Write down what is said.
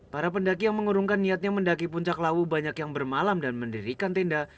para pendaki yang mengurungkan niatnya mendaki puncak lawu banyak yang bermalam dan mendirikan tenda